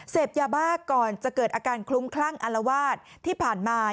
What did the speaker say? เสพยาบ้าก่อนจะเกิดอาการคลุ้มคลั่งอารวาสที่ผ่านมา